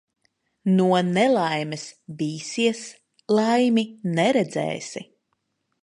No nelaimes bīsies, laimi neredzēsi.